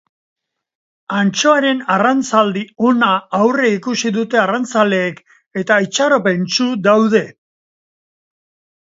Antxoaren arrantzaldi ona aurreikusi dute arrantzaleek, eta itxaropentsu daude.